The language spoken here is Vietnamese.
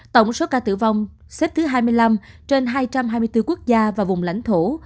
tổng số ca tử vong xếp thứ hai mươi năm trên hai trăm hai mươi bốn quốc gia và vùng lãnh thổ